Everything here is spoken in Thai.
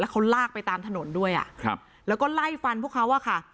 เขาลากไปตามถนนด้วยอ่ะครับแล้วก็ไล่ฟันพวกเขาอะค่ะ